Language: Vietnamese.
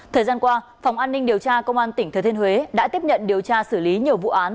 thời gian qua phòng an ninh điều tra công an tỉnh thừa thiên huế đã tiếp nhận điều tra xử lý nhiều vụ án